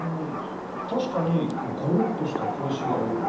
確かにゴロッとした小石が多い。